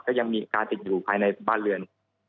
ก็ยังมีการติดอยู่ภายในบ้านเรือน